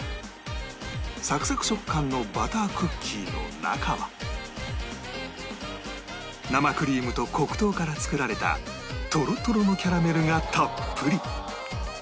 サクサク食感のバタークッキーの中は生クリームと黒糖から作られたとろとろのキャラメルがたっぷり